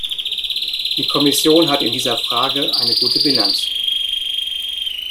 Die Kommission hat in dieser Frage eine gute Bilanz.